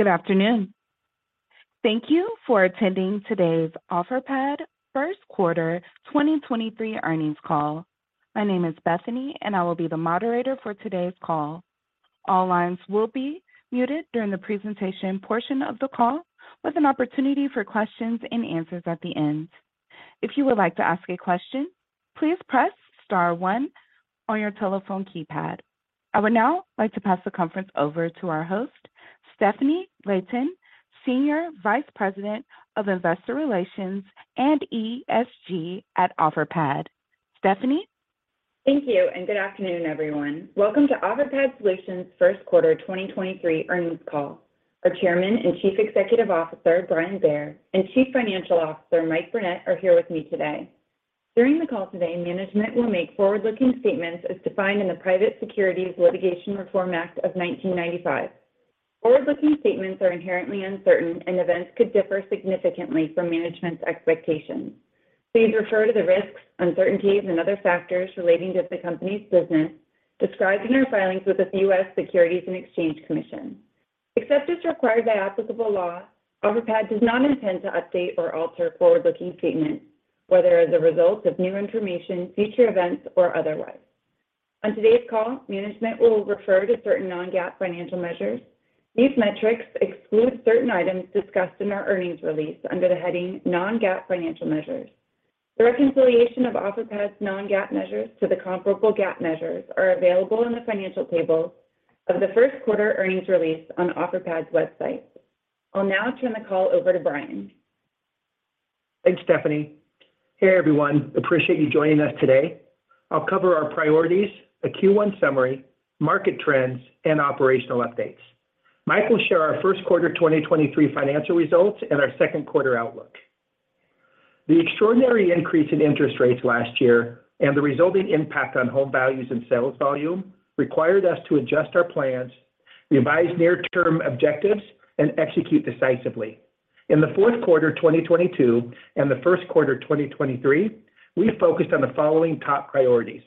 Good afternoon. Thank you for attending today's Offerpad First Quarter 2023 Earnings Call. My name is Bethany, and I will be the moderator for today's call. All lines will be muted during the presentation portion of the call, with an opportunity for questions and answers at the end. If you would like to ask a question, please press star one on your telephone keypad. I would now like to pass the conference over to our host, Stefanie Layton, Senior Vice President of Investor Relations and ESG at Offerpad. Stefanie? Thank you, and good afternoon, everyone. Welcome to Offerpad Solutions First Quarter 2023 Earnings Call. Our Chairman and Chief Executive Officer, Brian Bair, and Chief Financial Officer, Mike Burnett, are here with me today. During the call today, management will make forward-looking statements as defined in the Private Securities Litigation Reform Act of 1995. Forward-looking statements are inherently uncertain, and events could differ significantly from management's expectations. Please refer to the risks, uncertainties, and other factors relating to the company's business described in our filings with the U.S. Securities and Exchange Commission. Except as required by applicable law, Offerpad does not intend to update or alter forward-looking statements, whether as a result of new information, future events, or otherwise. On today's call, management will refer to certain non-GAAP financial measures. These metrics exclude certain items discussed in our earnings release under the heading Non-GAAP Financial Measures. The reconciliation of Offerpad's non-GAAP measures to the comparable GAAP measures are available in the financial table of the first quarter earnings release on Offerpad's website. I'll now turn the call over to Brian. Thanks, Stefanie. Hey, everyone. Appreciate you joining us today. I'll cover our priorities, the Q1 summary, market trends, and operational updates. Mike will share our first quarter 2023 financial results and our second quarter outlook. The extraordinary increase in interest rates last year and the resulting impact on home values and sales volume required us to adjust our plans, revise near-term objectives, and execute decisively. In the fourth quarter 2022 and the first quarter 2023, we focused on the following top priorities.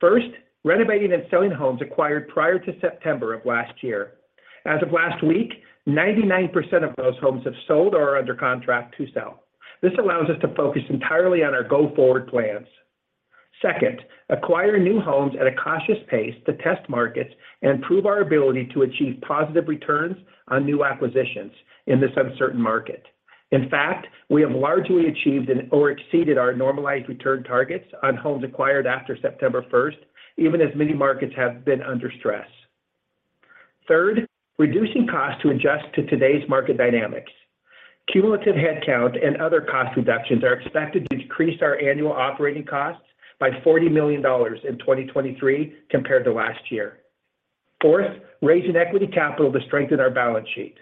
First, renovating and selling homes acquired prior to September of last year. As of last week, 99% of those homes have sold or are under contract to sell. This allows us to focus entirely on our go-forward plans. Second, acquire new homes at a cautious pace to test markets and prove our ability to achieve positive returns on new acquisitions in this uncertain market. We have largely achieved and/or exceeded our normalized return targets on homes acquired after September 1st, even as many markets have been under stress. Third, reducing costs to adjust to today's market dynamics. Cumulative headcount and other cost reductions are expected to decrease our annual operating costs by $40 million in 2023 compared to last year. Fourth, raising equity capital to strengthen our balance sheet.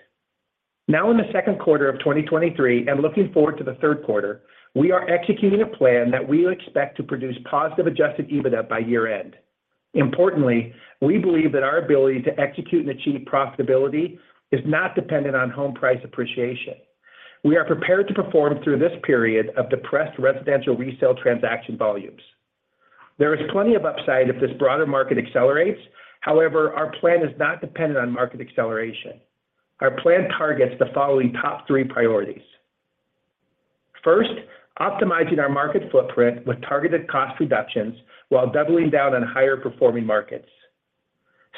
In the second quarter of 2023 and looking forward to the third quarter, we are executing a plan that we expect to produce positive Adjusted EBITDA by year-end. We believe that our ability to execute and achieve profitability is not dependent on home price appreciation. We are prepared to perform through this period of depressed residential resale transaction volumes. There is plenty of upside if this broader market accelerates. Our plan is not dependent on market acceleration. Our plan targets the following top three priorities. First, optimizing our market footprint with targeted cost reductions while doubling down on higher performing markets.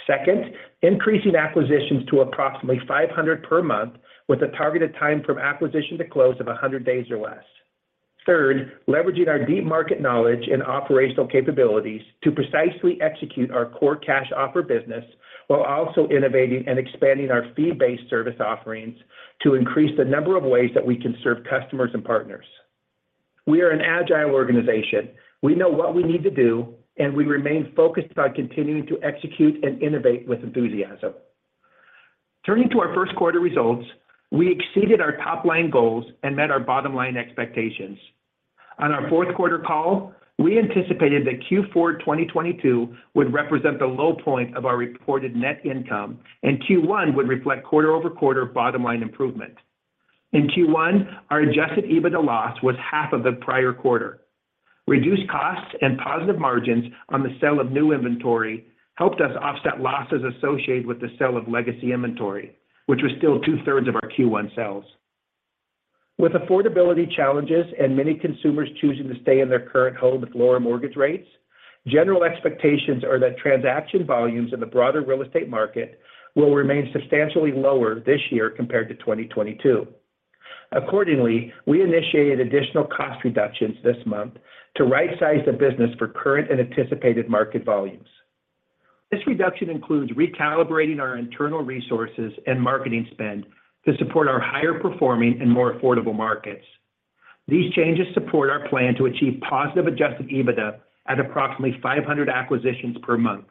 Second, increasing acquisitions to approximately 500 per month with a targeted time from acquisition to close of 100 days or less. Third, leveraging our deep market knowledge and operational capabilities to precisely execute our core cash offer business while also innovating and expanding our fee-based service offerings to increase the number of ways that we can serve customers and partners. We are an agile organization. We know what we need to do, and we remain focused on continuing to execute and innovate with enthusiasm. Turning to our first quarter results, we exceeded our top-line goals and met our bottom-line expectations. On our fourth quarter call, we anticipated that Q4 2022 would represent the low point of our reported net income, and Q1 would reflect quarter-over-quarter bottom-line improvement. In Q1, our Adjusted EBITDA loss was half of the prior quarter. Reduced costs and positive margins on the sale of new inventory helped us offset losses associated with the sale of legacy inventory, which was still two-thirds of our Q1 sales. With affordability challenges and many consumers choosing to stay in their current home with lower mortgage rates, general expectations are that transaction volumes in the broader real estate market will remain substantially lower this year compared to 2022. Accordingly, we initiated additional cost reductions this month to right-size the business for current and anticipated market volumes. This reduction includes recalibrating our internal resources and marketing spend to support our higher performing and more affordable markets. These changes support our plan to achieve positive Adjusted EBITDA at approximately 500 acquisitions per month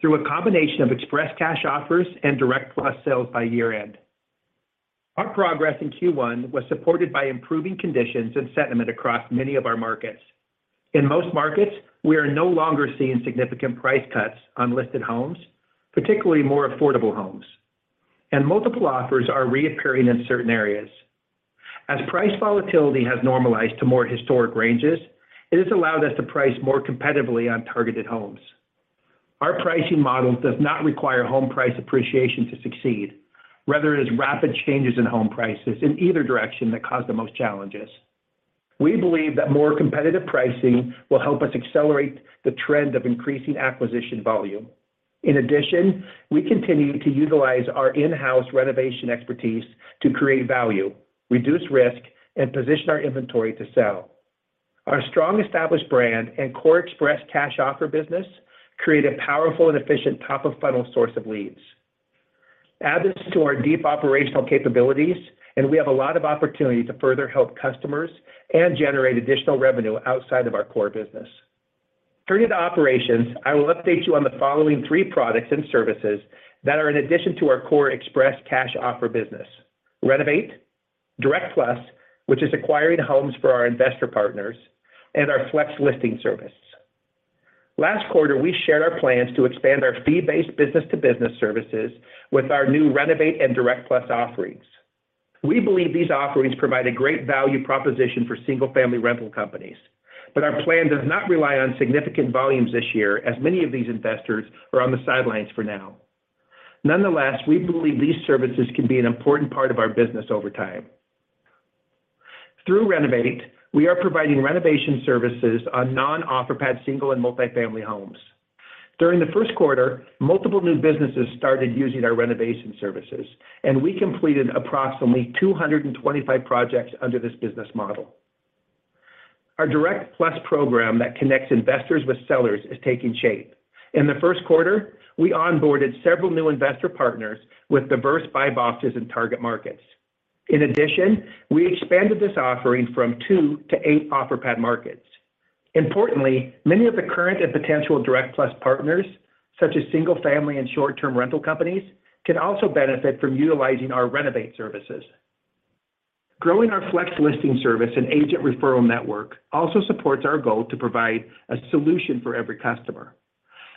through a combination of EXPRESS Cash Offers and Direct+ sales by year-end. Our progress in Q1 was supported by improving conditions and sentiment across many of our markets. In most markets, we are no longer seeing significant price cuts on listed homes, particularly more affordable homes. Multiple offers are reappearing in certain areas. As price volatility has normalized to more historic ranges, it has allowed us to price more competitively on targeted homes. Our pricing model does not require home price appreciation to succeed, rather it is rapid changes in home prices in either direction that cause the most challenges. We believe that more competitive pricing will help us accelerate the trend of increasing acquisition volume. In addition, we continue to utilize our in-house renovation expertise to create value, reduce risk, and position our inventory to sell. Our strong established brand and core EXPRESS Cash Offer business create a powerful and efficient top-of-funnel source of leads. Add this to our deep operational capabilities, and we have a lot of opportunity to further help customers and generate additional revenue outside of our core business. Turning to operations, I will update you on the following three products and services that are in addition to our core EXPRESS Cash Offer business. Renovate, Direct+, which is acquiring homes for our investor partners, and our FLEX Listing service. Last quarter, we shared our plans to expand our fee-based business-to-business services with our new Renovate and Direct+ offerings. We believe these offerings provide a great value proposition for single-family rental companies. Our plan does not rely on significant volumes this year, as many of these investors are on the sidelines for now. Nonetheless, we believe these services can be an important part of our business over time. Through Renovate, we are providing renovation services on non-Offerpad single and multi-family homes. During the first quarter, multiple new businesses started using our renovation services, and we completed approximately 225 projects under this business model. Our Direct+ program that connects investors with sellers is taking shape. In the first quarter, we onboarded several new investor partners with diverse buy boxes and target markets. In addition, we expanded this offering from 2 to 8 Offerpad markets. Importantly, many of the current and potential Direct+ partners, such as single family and short-term rental companies, can also benefit from utilizing our Renovate services. Growing our FLEX Listing service and agent referral network also supports our goal to provide a solution for every customer.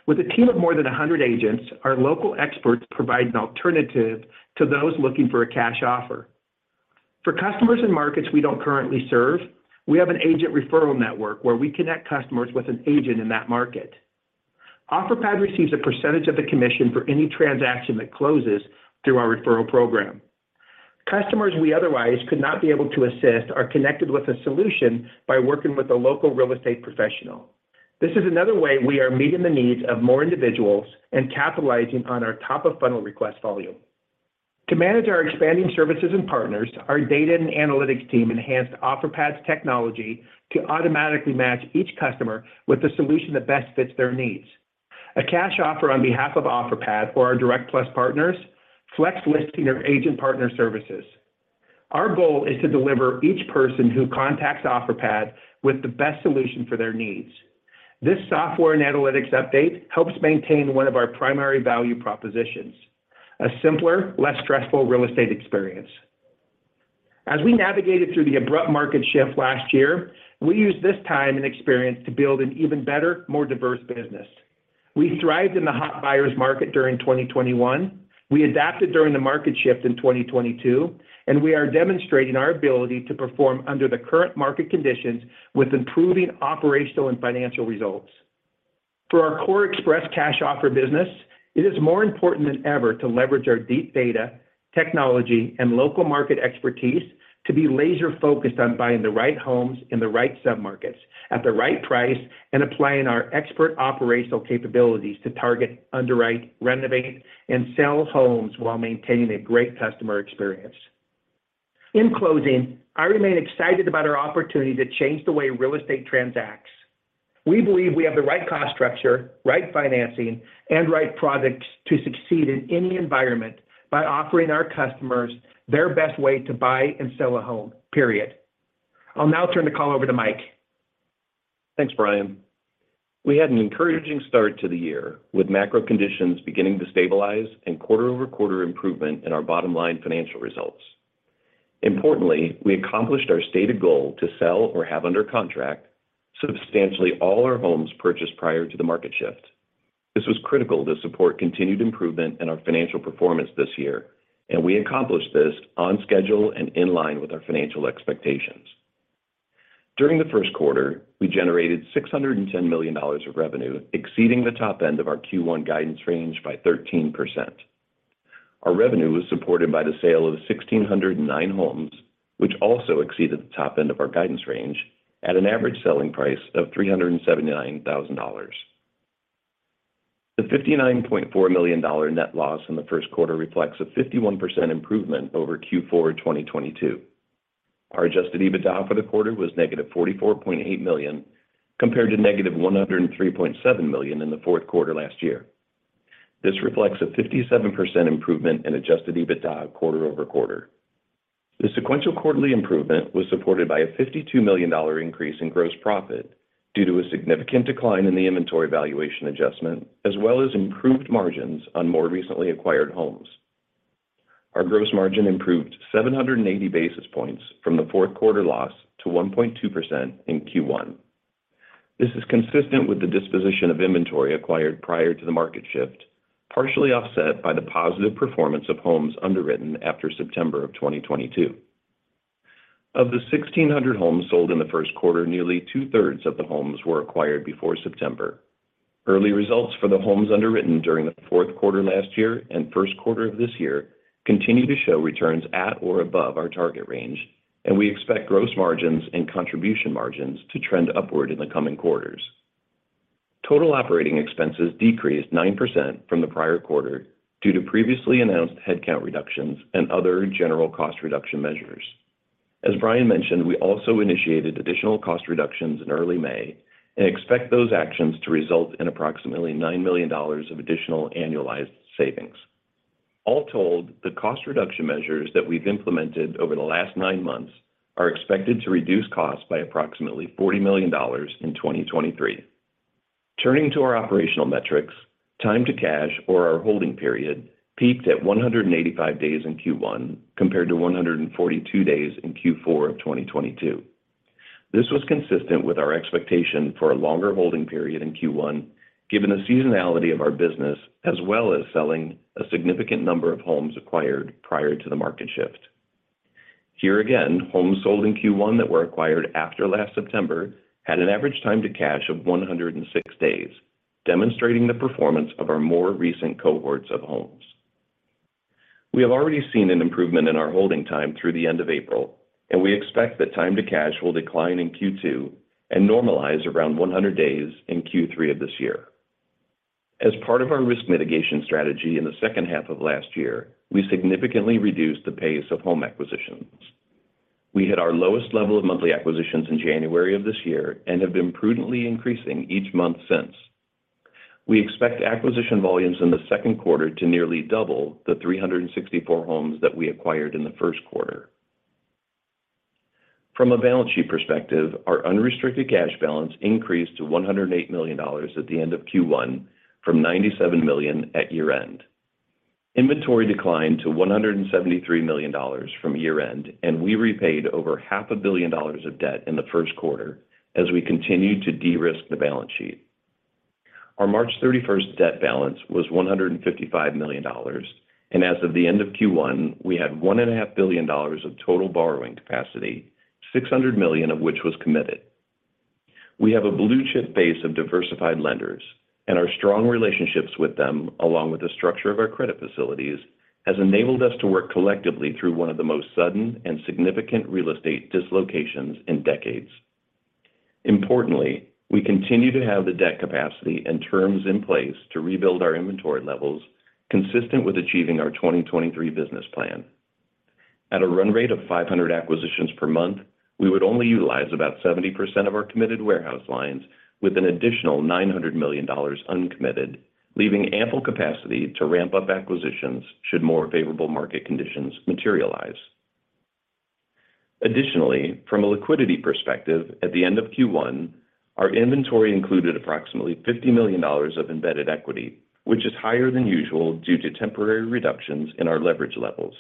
With a team of more than 100 agents, our local experts provide an alternative to those looking for a cash offer. For customers in markets we don't currently serve, we have an agent referral network where we connect customers with an agent in that market. Offerpad receives a percentage of the commission for any transaction that closes through our referral program. Customers we otherwise could not be able to assist are connected with a solution by working with a local real estate professional. This is another way we are meeting the needs of more individuals and capitalizing on our top-of-funnel request volume. To manage our expanding services and partners, our data and analytics team enhanced Offerpad's technology to automatically match each customer with the solution that best fits their needs. A cash offer on behalf of Offerpad for our Direct+ partners, FLEX Listing of agent partner services. Our goal is to deliver each person who contacts Offerpad with the best solution for their needs. This software and analytics update helps maintain one of our primary value propositions: a simpler, less stressful real estate experience. As we navigated through the abrupt market shift last year, we used this time and experience to build an even better, more diverse business. We thrived in the hot buyers market during 2021, we adapted during the market shift in 2022, and we are demonstrating our ability to perform under the current market conditions with improving operational and financial results. For our core Express Cash Offer business, it is more important than ever to leverage our deep data, technology, and local market expertise to be laser-focused on buying the right homes in the right submarkets at the right price and applying our expert operational capabilities to target, underwrite, renovate, and sell homes while maintaining a great customer experience. In closing, I remain excited about our opportunity to change the way real estate transacts. We believe we have the right cost structure, right financing, and right products to succeed in any environment by offering our customers their best way to buy and sell a home, period. I'll now turn the call over to Mike. Thanks, Brian. We had an encouraging start to the year with macro conditions beginning to stabilize and quarter-over-quarter improvement in our bottom line financial results. We accomplished our stated goal to sell or have under contract substantially all our homes purchased prior to the market shift. This was critical to support continued improvement in our financial performance this year, we accomplished this on schedule and in line with our financial expectations. During the first quarter, we generated $610 million of revenue, exceeding the top end of our Q1 guidance range by 13%. Our revenue was supported by the sale of 1,609 homes, which also exceeded the top end of our guidance range at an average selling price of $379,000. The $59.4 million net loss in the first quarter reflects a 51% improvement over Q4 2022. Our Adjusted EBITDA for the quarter was negative $44.8 million, compared to negative $103.7 million in the fourth quarter last year. This reflects a 57% improvement in Adjusted EBITDA quarter-over-quarter. The sequential quarterly improvement was supported by a $52 million increase in gross profit due to a significant decline in the inventory valuation adjustment, as well as improved margins on more recently acquired homes. Our Gross Margin improved 780 basis points from the fourth quarter loss to 1.2% in Q1. This is consistent with the disposition of inventory acquired prior to the market shift, partially offset by the positive performance of homes underwritten after September of 2022. Of the 1,600 homes sold in the first quarter, nearly two-thirds of the homes were acquired before September. Early results for the homes underwritten during the fourth quarter last year and first quarter of this year continue to show returns at or above our target range, and we expect gross margins and contribution margins to trend upward in the coming quarters. Total operating expenses decreased 9% from the prior quarter due to previously announced headcount reductions and other general cost reduction measures. As Brian mentioned, we also initiated additional cost reductions in early May and expect those actions to result in approximately $9 million of additional annualized savings. All told, the cost reduction measures that we've implemented over the last nine months are expected to reduce costs by approximately $40 million in 2023. Turning to our operational metrics, time to cash or our holding period peaked at 185 days in Q1 compared to 142 days in Q4 of 2022. This was consistent with our expectation for a longer holding period in Q1 given the seasonality of our business as well as selling a significant number of homes acquired prior to the market shift. Here again, homes sold in Q1 that were acquired after last September had an average time to cash of 106 days, demonstrating the performance of our more recent cohorts of homes. We have already seen an improvement in our holding time through the end of April, and we expect that time to cash will decline in Q2 and normalize around 100 days in Q3 of this year. As part of our risk mitigation strategy in the second half of last year, we significantly reduced the pace of home acquisitions. We hit our lowest level of monthly acquisitions in January of this year and have been prudently increasing each month since. We expect acquisition volumes in the second quarter to nearly double the 364 homes that we acquired in the first quarter. From a balance sheet perspective, our unrestricted cash balance increased to $108 million at the end of Q1 from $97 million at year-end. Inventory declined to $173 million from year-end, and we repaid over half a billion dollars of debt in the first quarter as we continued to de-risk the balance sheet. Our March 31st debt balance was $155 million. As of the end of Q1, we had $1.5 billion of total borrowing capacity, $600 million of which was committed. We have a blue-chip base of diversified lenders. Our strong relationships with them, along with the structure of our credit facilities, has enabled us to work collectively through one of the most sudden and significant real estate dislocations in decades. Importantly, we continue to have the debt capacity and terms in place to rebuild our inventory levels consistent with achieving our 2023 business plan. At a run rate of 500 acquisitions per month, we would only utilize about 70% of our committed warehouse lines with an additional $900 million uncommitted, leaving ample capacity to ramp up acquisitions should more favorable market conditions materialize. Additionally, from a liquidity perspective, at the end of Q1, our inventory included approximately $50 million of embedded equity, which is higher than usual due to temporary reductions in our leverage levels.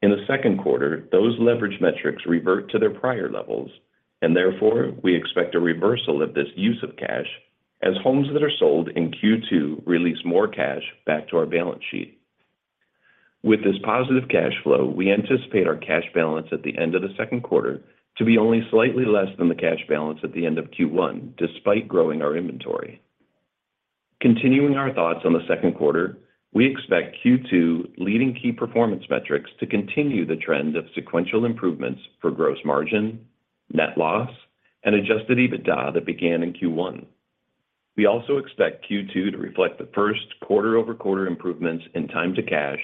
In the second quarter, those leverage metrics revert to their prior levels. Therefore, we expect a reversal of this use of cash as homes that are sold in Q2 release more cash back to our balance sheet. With this positive cash flow, we anticipate our cash balance at the end of the second quarter to be only slightly less than the cash balance at the end of Q1 despite growing our inventory. Continuing our thoughts on the second quarter, we expect Q2 leading key performance metrics to continue the trend of sequential improvements for gross margin, net loss, and Adjusted EBITDA that began in Q1. We also expect Q2 to reflect the first quarter-over-quarter improvements in time to cash,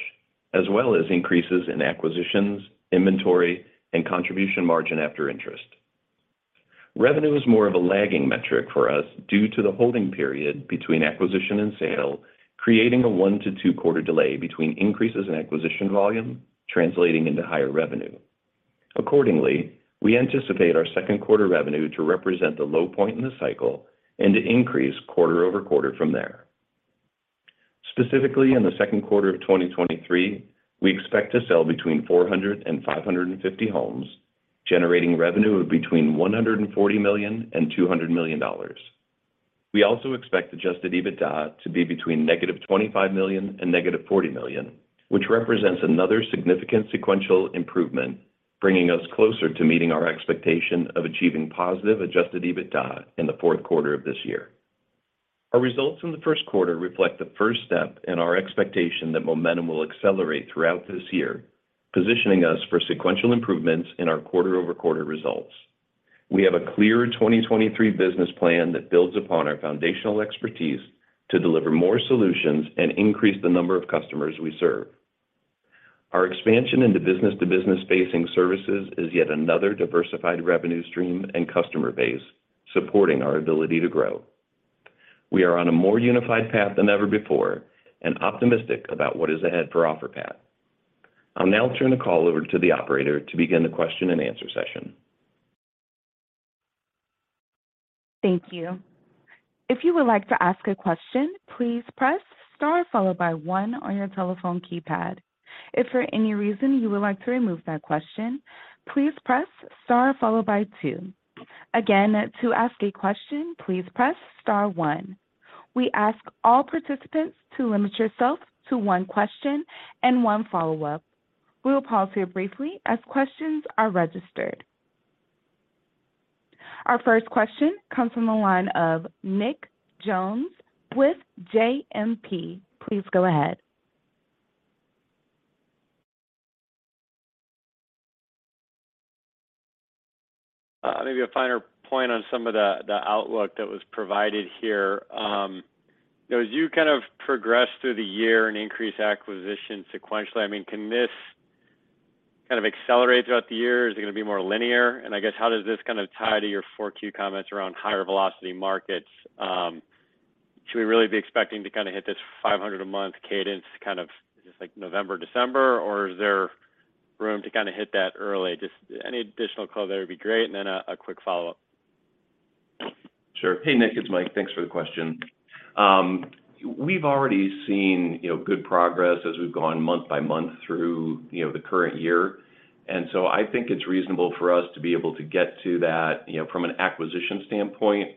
as well as increases in acquisitions, inventory, and Contribution Margin After Interest. Revenue is more of a lagging metric for us due to the holding period between acquisition and sale, creating a one to two quarter delay between increases in acquisition volume translating into higher revenue. Accordingly, we anticipate our second quarter revenue to represent the low point in the cycle and to increase quarter-over-quarter from there. Specifically in the second quarter of 2023, we expect to sell between 400 and 550 homes, generating revenue of between $140 million and $200 million. We also expect Adjusted EBITDA to be between -$25 million and -$40 million, which represents another significant sequential improvement, bringing us closer to meeting our expectation of achieving positive Adjusted EBITDA in the fourth quarter of this year. Our results in the first quarter reflect the first step in our expectation that momentum will accelerate throughout this year, positioning us for sequential improvements in our quarter-over-quarter results. We have a clear 2023 business plan that builds upon our foundational expertise to deliver more solutions and increase the number of customers we serve. Our expansion into business-to-business facing services is yet another diversified revenue stream and customer base supporting our ability to grow. We are on a more unified path than ever before and optimistic about what is ahead for Offerpad. I'll now turn the call over to the operator to begin the question and answer session. Thank you. If you would like to ask a question, please press Star followed by one on your telephone keypad. If for any reason you would like to remove that question, please press star followed by two. Again, to ask a question, please press star one. We ask all participants to limit yourself to one question and one follow-up. We will pause here briefly as questions are registered. Our first question comes from the line of Nick Jones with JMP. Please go ahead. Maybe a finer point on some of the outlook that was provided here. you know, as you kind of progress through the year and increase acquisition sequentially, I mean, can this kind of accelerate throughout the year? Is it gonna be more linear? I guess how does this kind of tie to your four Q comments around higher velocity markets? should we really be expecting to kind of hit this 500 a month cadence kind of just like November, December, or is there room to kind of hit that early? Just any additional color there would be great. Then a quick follow-up. Sure. Hey, Nick, it's Mike. Thanks for the question. We've already seen, you know, good progress as we've gone month by month through, you know, the current year. I think it's reasonable for us to be able to get to that, you know, from an acquisition standpoint,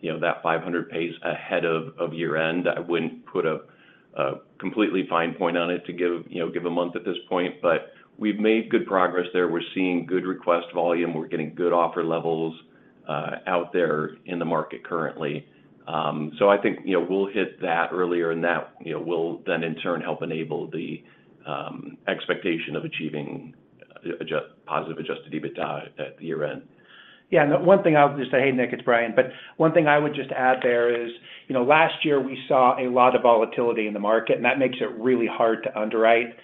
you know, that 500 pace ahead of year-end. I wouldn't put a completely fine point on it to give a month at this point. We've made good progress there. We're seeing good request volume. We're getting good offer levels out there in the market currently. I think, you know, we'll hit that earlier. That, you know, will then in turn help enable the expectation of achieving positive Adjusted EBITDA at year-end. Yeah. One thing I'll just say. Hey, Nick, it's Brian. One thing I would just add there is, you know, last year we saw a lot of volatility in the market, and that makes it really hard to underwrite.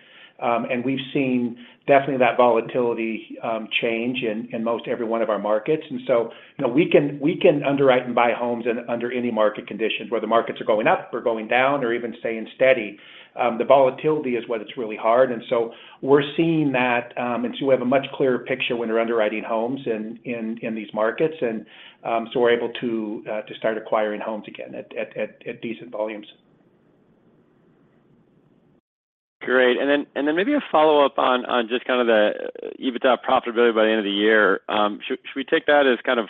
We've seen definitely that volatility change in most every one of our markets. You know, we can underwrite and buy homes in-under any market conditions. Whether markets are going up or going down or even staying steady, the volatility is what it's really hard. We're seeing that. We have a much clearer picture when we're underwriting homes in these markets. We're able to start acquiring homes again at decent volumes. Great. Then maybe a follow-up on just kind of the EBITDA profitability by the end of the year. Should we take that as kind of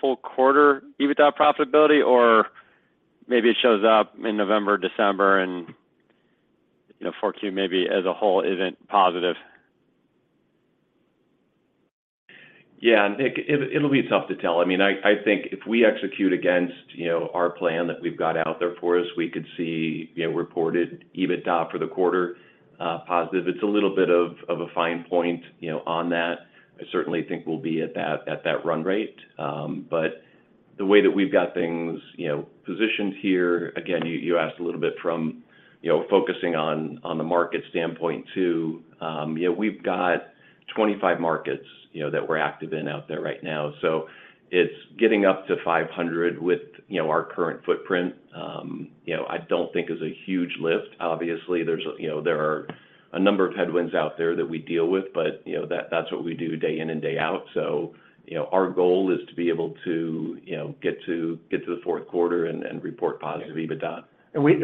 full quarter EBITDA profitability, or maybe it shows up in November, December and, you know, 4Q maybe as a whole isn't positive? Yeah. Nick, it'll be tough to tell. I mean, I think if we execute against, you know, our plan that we've got out there for us, we could see, you know, reported EBITDA for the quarter positive. It's a little bit of a fine point, you know, on that. I certainly think we'll be at that run rate. The way that we've got things, you know, positioned here, again, you asked a little bit from, you know, focusing on the market standpoint too. We've got 25 markets, you know, that we're active in out there right now. It's getting up to 500 with, you know, our current footprint, you know, I don't think is a huge lift. Obviously, there's there are a number of headwinds out there that we deal with. You know, that's what we do day in and day out. You know, our goal is to be able to, you know, get to the fourth quarter and report positive EBITDA. We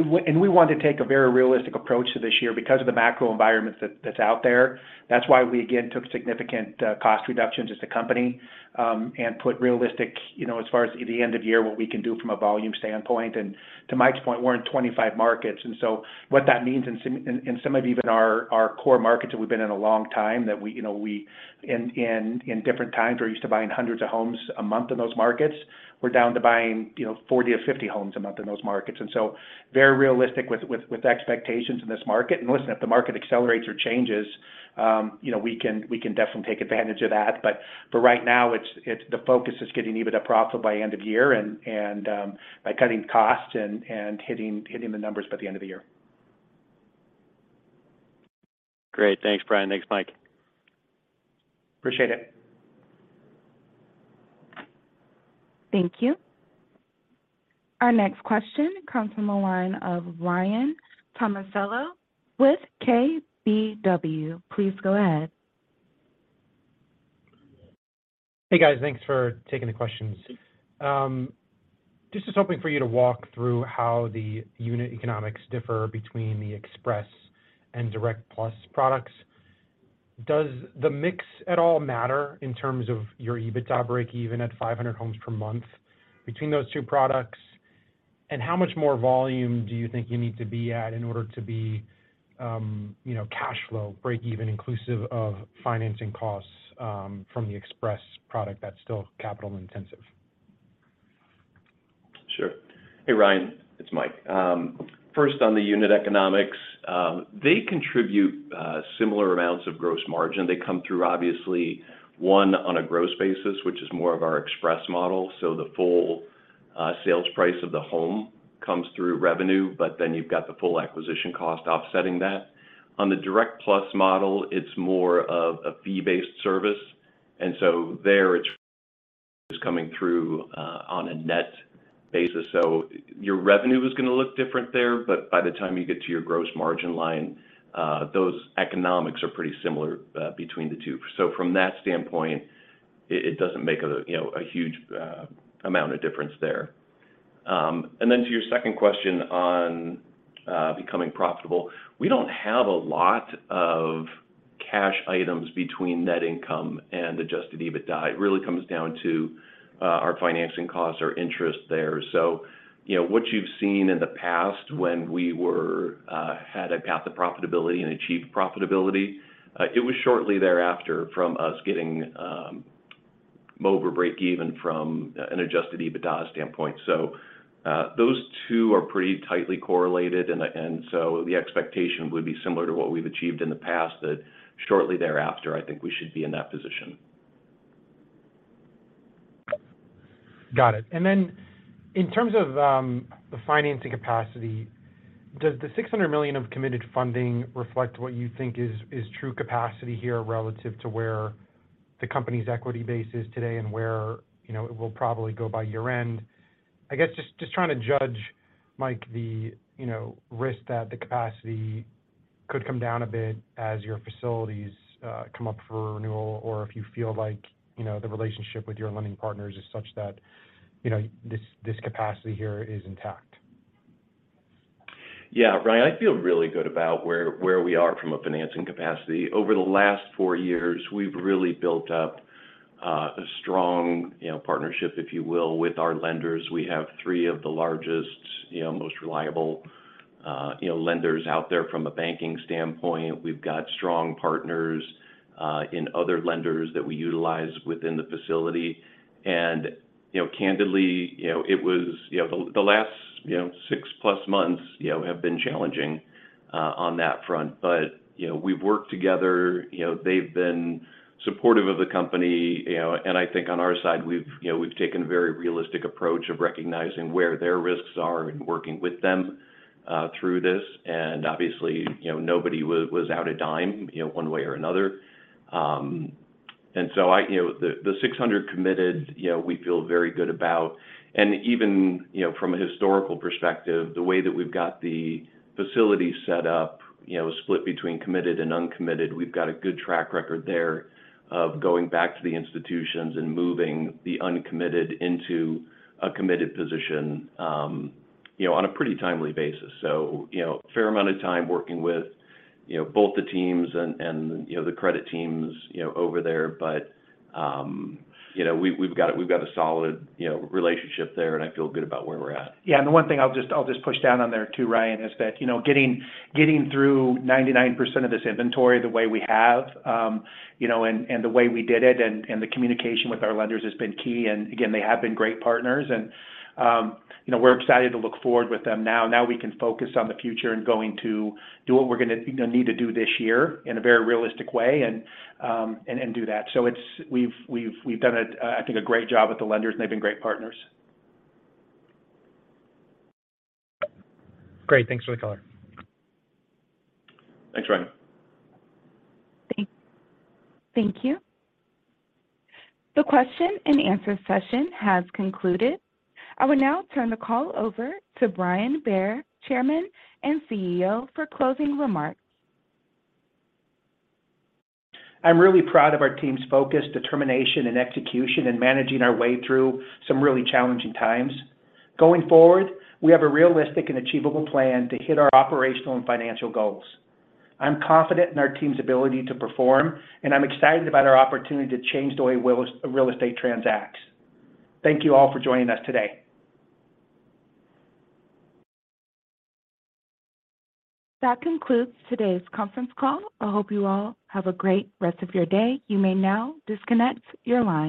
want to take a very realistic approach to this year because of the macro environment that's out there. That's why we again took significant cost reductions as a company and put realistic, you know, as far as the end of year, what we can do from a volume standpoint. To Mike's point, we're in 25 markets, what that means in some of even our core markets that we've been in a long time that we, you know, we in different times, we're used to buying hundreds of homes a month in those markets. We're down to buying, you know, 40 to 50 homes a month in those markets. Very realistic with expectations in this market. Listen, if the market accelerates or changes, you know, we can definitely take advantage of that. Right now it's the focus is getting EBITDA profit by end of year and, by cutting costs and hitting the numbers by the end of the year. Great. Thanks, Brian. Thanks, Mike. Appreciate it. Thank you. Our next question comes from the line of Ryan Tomasello with KBW. Please go ahead. Hey, guys. Thanks for taking the questions. Just is hoping for you to walk through how the unit economics differ between the Express and Direct+ products. Does the mix at all matter in terms of your EBITDA breakeven at 500 homes per month between those two products? How much more volume do you think you need to be at in order to be, you know, cash flow, breakeven inclusive of financing costs, from the Express product that's still capital intensive? Sure. Hey, Ryan, it's Mike. First on the unit economics, they contribute similar amounts of Gross Margin. They come through obviously one on a gross basis, which is more of our Express model. The full sales price of the home comes through revenue, you've got the full acquisition cost offsetting that. On the Direct+ model, it's more of a fee-based service, there it's coming through on a net basis. Your revenue is gonna look different there, by the time you get to your Gross Margin line, those economics are pretty similar between the two. From that standpoint, it doesn't make a, you know, a huge amount of difference there. To your second question on becoming profitable, we don't have a lot of cash items between net income and Adjusted EBITDA. It really comes down to our financing costs, our interest there. You know, what you've seen in the past when we were had a path to profitability and achieved profitability, it was shortly thereafter from us getting over breakeven from an Adjusted EBITDA standpoint. Those two are pretty tightly correlated and the expectation would be similar to what we've achieved in the past that shortly thereafter, I think we should be in that position. Got it. In terms of the financing capacity, does the $600 million of committed funding reflect what you think is true capacity here relative to where the company's equity base is today and where, you know, it will probably go by year-end? I guess just trying to judge, Mike, the, you know, risk that the capacity could come down a bit as your facilities come up for renewal, or if you feel like, you know, the relationship with your lending partners is such that, you know, this capacity here is intact. Yeah. Ryan, I feel really good about where we are from a financing capacity. Over the last four years, we've really built up a strong, you know, partnership, if you will, with our lenders. We have three of the largest, you know, most reliable, you know, lenders out there from a banking standpoint. We've got strong partners in other lenders that we utilize within the facility. You know, candidly, you know, it was, you know, the last six-plus months, you know, have been challenging on that front. You know, we've worked together. You know, they've been supportive of the company, you know, and I think on our side, we've, you know, we've taken a very realistic approach of recognizing where their risks are and working with them through this. Obviously, you know, nobody was out a dime, you know, one way or another. You know, the $600 committed, you know, we feel very good about. Even, you know, from a historical perspective, the way that we've got the facility set up, you know, split between committed and uncommitted, we've got a good track record there of going back to the institutions and moving the uncommitted into a committed position, you know, on a pretty timely basis. You know, a fair amount of time working with, you know, both the teams and, you know, the credit teams, you know, over there. You know, we've got a solid, you know, relationship there, and I feel good about where we're at. Yeah. The one thing I'll just push down on there too, Ryan, is that, you know, getting through 99% of this inventory the way we have, you know, and the way we did it and the communication with our lenders has been key. Again, they have been great partners and, you know, we're excited to look forward with them now. We can focus on the future and going to do what we're gonna, you know, need to do this year in a very realistic way and do that. We've done a, I think a great job with the lenders, and they've been great partners. Great. Thanks for the color. Thanks, Ryan. Thank you. The question and answer session has concluded. I will now turn the call over to Brian Bair, Chairman and CEO, for closing remarks. I'm really proud of our team's focus, determination, and execution in managing our way through some really challenging times. Going forward, we have a realistic and achievable plan to hit our operational and financial goals. I'm confident in our team's ability to perform, and I'm excited about our opportunity to change the way real estate transacts. Thank you all for joining us today. That concludes today's conference call. I hope you all have a great rest of your day. You may now disconnect your line.